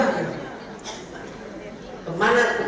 yang diselenggarakan di salah satu restoran di buncit raya jakarta selatan